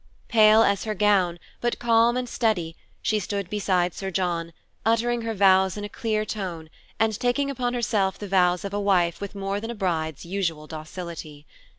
Pale as her gown, but calm and steady, she stood beside Sir John, uttering her vows in a clear tone and taking upon herself the vows of a wife with more than a bride's usual docility.